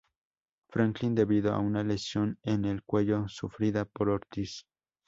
Franklin debido a una lesión en el cuello sufrida por Ortiz.